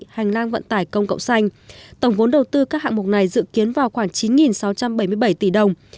hành lang vận tải công cộng xanh tổng vốn đầu tư các hạng mục này dự kiến vào khoảng chín sáu trăm bảy mươi bảy tỷ đồng